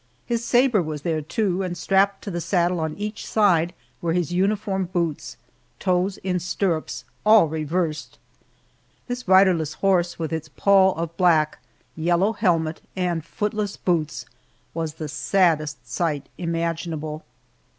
His sabre was there, too, and strapped to the saddle on each side were his uniform boots, toes in stirrups all reversed! This riderless horse, with its pall of black, yellow helmet, and footless boots, was the saddest sight imaginable.